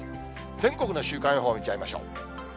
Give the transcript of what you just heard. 全国の週間予報見ちゃいましょう。